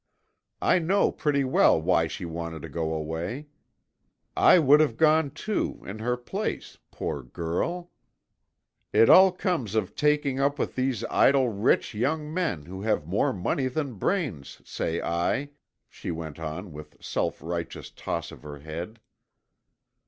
I know pretty well why she wanted to go away. I would have gone, too, in her place, poor girl. "It all comes of taking up with these idle rich young men who have more money than brains, say I," she went on with a self righteous toss of her head.